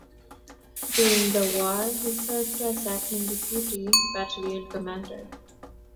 During the war, he served as acting deputy battalion commander.